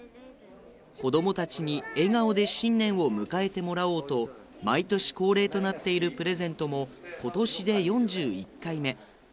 子供たちに笑顔で新年を迎えてもらおうと毎年恒例となっているプレゼントも今年で４１回目。